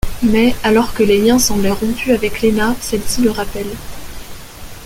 Mais, alors que les liens semblaient rompus avec Léna, celle-ci le rappelle.